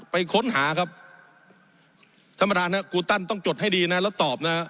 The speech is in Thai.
ไปค้นหาครับท่านประธานฮะกูตันต้องจดให้ดีนะแล้วตอบนะฮะ